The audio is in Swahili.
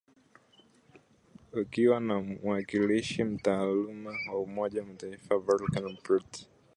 Akiwa na mwakilishi maalum wa Umoja wa Mataifa, Volker Perthes